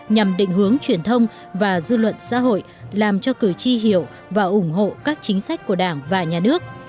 nhằm định hướng truyền thông và dư luận xã hội làm cho cử tri hiểu và ủng hộ các chính sách của đảng và nhà nước